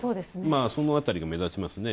その辺りが目立ちますね。